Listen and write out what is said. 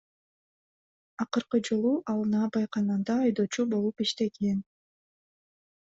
Акыркы жолу ал наабайканада айдоочу болуп иштеген.